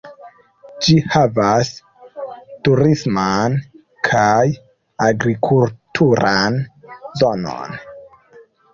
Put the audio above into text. Ĝi havas turisman kaj agrikulturan zonon.